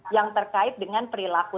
yang terkait dengan perilaku